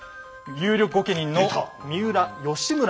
有力御家人の三浦義村。